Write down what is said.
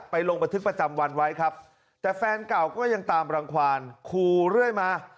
ลงบันทึกประจำวันไว้ครับแต่แฟนเก่าก็ยังตามรังความคู่เรื่อยมา